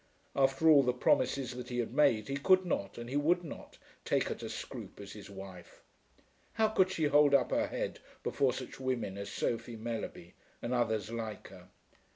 After all the promises that he had made he could not, and he would not, take her to Scroope as his wife. How could she hold up her head before such women as Sophie Mellerby and others like her?